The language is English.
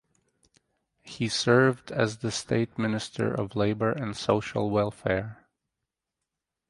He served as the State Minister of Labor and Social Welfare.